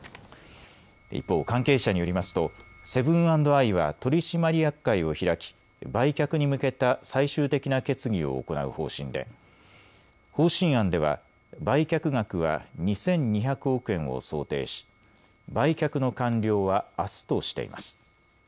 一方、関係者によりますとセブン＆アイは取締役会を開き売却に向けた最終的な決議を行う方針で方針案では売却額は２２００億円を想定し売却の完了はあすとしています。